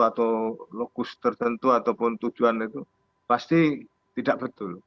atau lokus tertentu ataupun tujuan itu pasti tidak betul